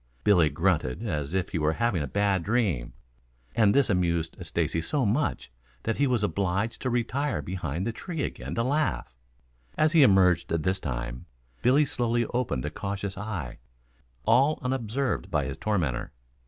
Billy grunted as if he were having a bad dream, and this amused Stacy so much that he was obliged to retire behind the tree again to laugh. As he emerged this time, Billy slowly opened a cautious eye, all unobserved by his tormentor.